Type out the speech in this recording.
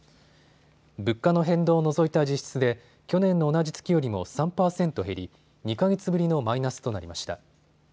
物価の変動を除いた実質で去年の同じ月よりも３％減り２か月ぶりのマイナスとなりました。